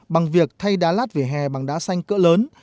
bằng việc thay đá lát vỉa hè bằng đá xanh cỡ lớn